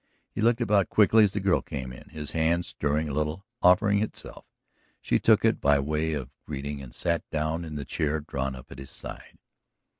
He looked about quickly as the girl came in, his hand stirring a little, offering itself. She took it by way of greeting and sat down in the chair drawn up at his side.